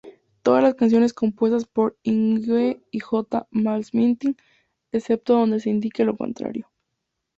Todas las canciones compuestas por Yngwie J. Malmsteen, excepto donde se indique lo contrario.